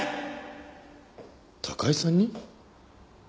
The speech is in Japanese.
高井さんに？